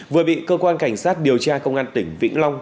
vừa bị cơ quan cảnh sát điều tra công an tỉnh vĩnh long